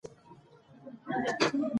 نمک د افغانستان د موسم د بدلون سبب کېږي.